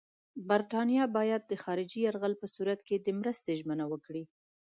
برټانیه باید د خارجي یرغل په صورت کې د مرستې ژمنه وکړي.